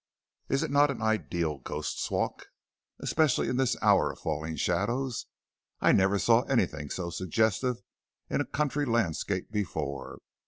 Is it not an ideal Ghost's Walk, especially in this hour of falling shadows. I never saw anything so suggestive in a country landscape before.